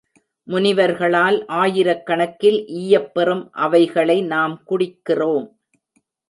முனிவர்களால் ஆயிரக்கணக்கில் ஈயப்பெறும் அவைகளை நாம் குடிக்கிறோம்.